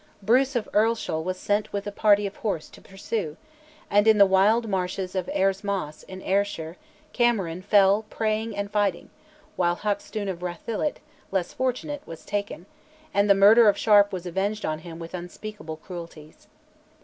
Bruce of Earlshall was sent with a party of horse to pursue, and, in the wild marshes of Airs Moss, in Ayrshire, Cameron "fell praying and fighting"; while Hackstoun of Rathillet, less fortunate, was taken, and the murder of Sharp was avenged on him with unspeakable cruelties.